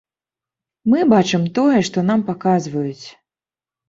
Мы бачым тое, што нам паказваюць.